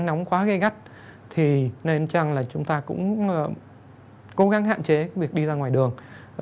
nếu nắng quá gây gắt thì nên chẳng là chúng ta cũng cố gắng hạn chế việc đi ra ngoài đường